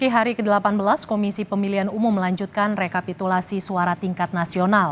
hari ke delapan belas komisi pemilihan umum melanjutkan rekapitulasi suara tingkat nasional